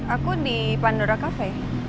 aku di pandora cafe